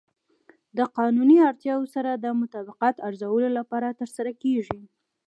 د قانوني اړتیاوو سره د مطابقت ارزولو لپاره ترسره کیږي.